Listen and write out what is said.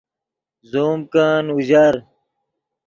زوم کن اوژر